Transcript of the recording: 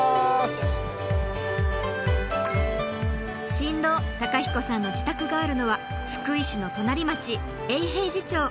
新郎公彦さんの自宅があるのは福井市の隣町永平寺町。